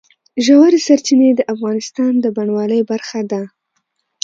ژورې سرچینې د افغانستان د بڼوالۍ برخه ده.